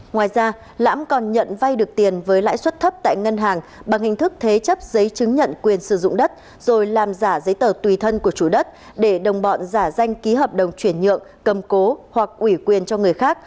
ngoài ra lãm còn nhận vay được tiền với lãi suất thấp tại ngân hàng bằng hình thức thế chấp giấy chứng nhận quyền sử dụng đất rồi làm giả giấy tờ tùy thân của chủ đất để đồng bọn giả danh ký hợp đồng chuyển nhượng cầm cố hoặc ủy quyền cho người khác